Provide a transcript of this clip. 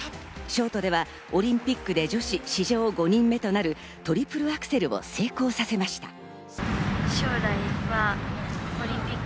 ショートではオリンピックで女子史上５人目となるトリプルアクセルを成功させました。